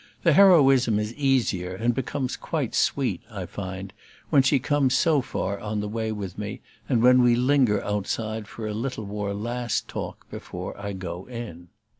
The heroism is easier, and becomes quite sweet, I find, when she comes so far on the way with me and when we linger outside for a little more last talk before I go in.